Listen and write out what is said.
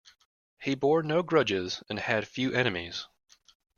He bore no grudges and had few enemies.